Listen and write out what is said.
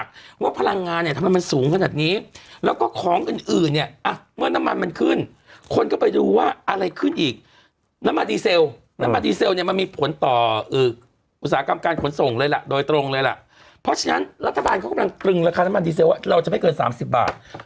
ใช่ต้องก่อนเท่าไหร่๑๘๐๐๑๙๐๐เหมือนกันอย่างนี้ต้องก่อนเท่าไหร่๑๘๐๐๑๙๐๐ต้องก่อนเท่าไหร่๑๘๐๐๑๙๐๐ต้องก่อนเท่าไหร่๑๘๐๐๑๙๐๐ต้องก่อนเท่าไหร่๑๘๐๐๑๙๐๐ต้องก่อนเท่าไหร่๑๘๐๐๑๙๐๐ต้องก่อนเท่าไหร่๑๘๐๐๑๙๐๐ต้องก่อนเท่าไหร่๑๘๐๐๑๙๐๐ต้องก่อนเท่าไหร่๑๘๐๐๑๙๐๐ต้องก่อนเ